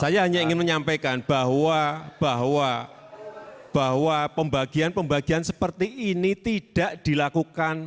saya hanya ingin menyampaikan bahwa pembagian pembagian seperti ini tidak dilakukan